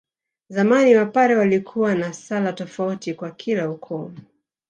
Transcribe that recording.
Zamani Wapare walikuwa na sala tofauti kwa kila ukoo